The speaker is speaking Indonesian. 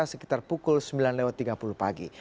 sekitar pukul sembilan tiga puluh pagi